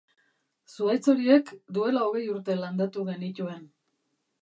Zuhaitz horiek duela hogei urte landatu genituen.